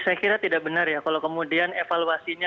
saya kira tidak benar ya kalau kemudian evaluasinya